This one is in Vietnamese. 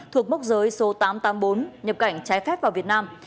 thuộc mốc giới số tám trăm tám mươi bốn nhập cảnh trái phép vào việt nam